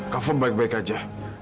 kava baik baik aja